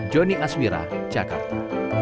jonny aswira jakarta